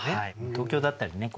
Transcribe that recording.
東京だったりね